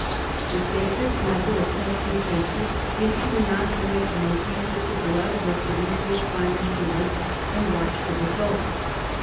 The safest method of testing cases is to inoculate monkeys with the blood or cerebro spinal fluid and watch the result.